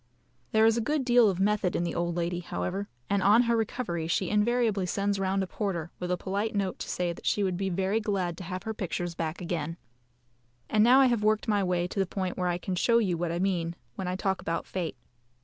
There is a good deal of method in the old lady, however, and on her recovery she invariably sends round a porter, with a polite note to say that she would be very glad to have her pictures back again. And now I have worked my way to the point where I can show you what I mean when I talk about fate.